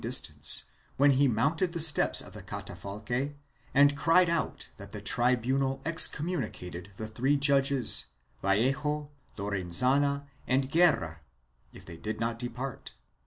II] QUESTIONS OF CEREMONY 363; distance, when he mounted the steps of the catafalque and cried out that the tribunal excommunicated the three judges, Vallejo,, Lorenzana and Guerra, if they did 'not depart.